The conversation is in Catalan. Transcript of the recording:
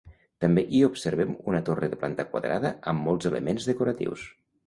També hi observem una torre de planta quadrada amb molts elements decoratius.